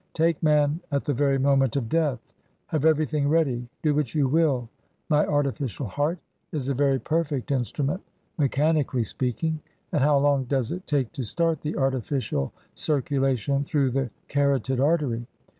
Take man at the very moment of death have everything ready, do what you will my artificial heart is a very perfect instrument, mechanically speaking and how long does it take to start the artificial circulation through the carotid artery?